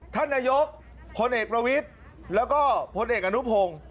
ท่านนายกพลเอกประวิทย์แล้วก็พลเอกอนุพงศ์